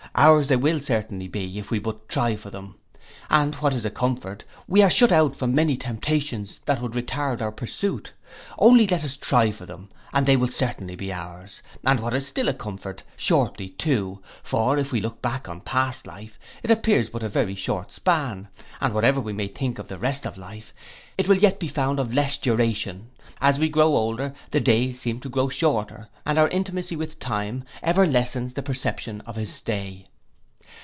Ours they will certainly be if we but try for them; and what is a comfort, we are shut out from many temptations that would retard our pursuit. Only let us try for them, and they will certainly be ours, and what is still a comfort, shortly too; for if we look back on past life, it appears but a very short span, and whatever we may think of the rest of life, it will yet be found of less duration; as we grow older, the days seem to grow shorter, and our intimacy with time, ever lessens the perception of his stay.